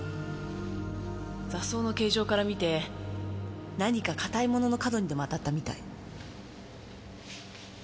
挫創の形状から見て何か硬いものの角にでも当たったみたい。